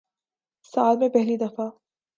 سال میں پہلی دفع